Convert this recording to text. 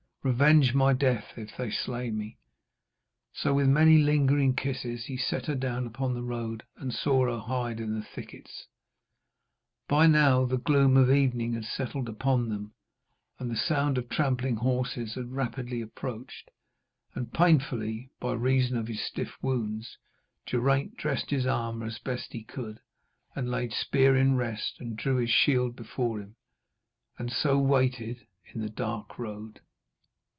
Revenge my death if they slay me.' So, with many lingering kisses, he set her down upon the road, and saw her hide in the thickets. By now the gloom of evening had settled upon them, and the sound of trampling horses had rapidly approached. And painfully, by reason of his stiff wounds, Geraint dressed his armour as best he could, and laid spear in rest, and drew his shield before him, and so waited in the dark road.